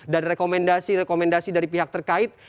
dan rekomendasi rekomendasi dari pihak terkait